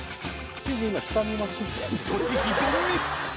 ［都知事凡ミス！？］